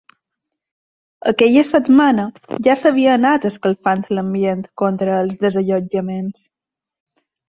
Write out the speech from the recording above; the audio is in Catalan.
Aquella setmana ja s'havia anat escalfant l'ambient contra els desallotjaments.